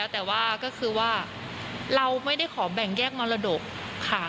แต่ว่าก็คือว่าเราไม่ได้ขอแบ่งแยกมรดกค่ะ